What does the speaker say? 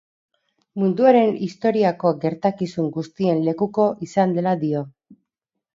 Munduaren historiako gertakizun guztien lekuko izan dela dio.